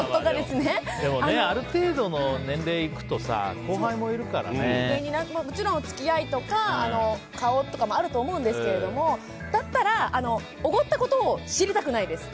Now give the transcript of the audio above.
でも、ある程度の年齢いくとさもちろん付き合いとか顔とかもあると思うんですけどだったら、おごったことを知りたくないです。